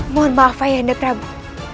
mohon maaf ayahanda prabu